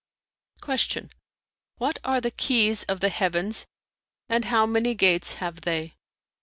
'" Q "What are the keys of the heavens, and how many gates have they.?"